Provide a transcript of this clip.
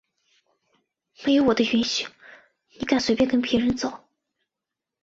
没有我的允许你敢随便跟别人走？！